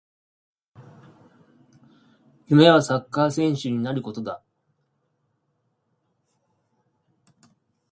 夢はサッカー選手になることだ